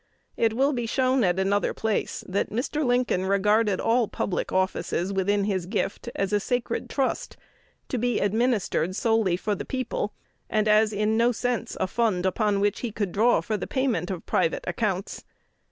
It will be shown at another place that Mr. Lincoln regarded all public offices within his gift as a sacred trust, to be administered solely for the people, and as in no sense a fund upon which he could draw for the payment of private accounts.